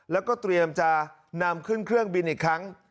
แล้วก็เตรียมจะนำขึ้นเครื่องบินอีกครั้ง